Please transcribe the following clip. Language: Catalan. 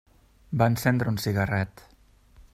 Va encendre un cigarret.